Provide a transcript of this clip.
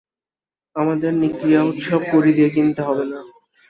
আমাদের নিকড়িয়া উৎসব কড়ি দিয়ে কিনতে হবে না।